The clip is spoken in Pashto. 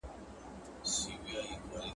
• تر سلو شاباسو يوه ايکي ښه ده.